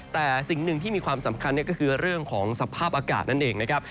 แต่สิ่งหนึ่งที่มีความสำคัญก็คือเรื่องของสภาพอากาศนั่นเองนะครับ